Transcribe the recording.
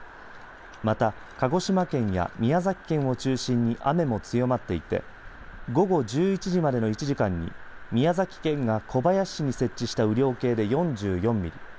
また、鹿児島県や宮崎県を中心に雨も強まっていて午後１１時までの１時間に宮崎県が小林市に設置した雨量計で４４ミリ。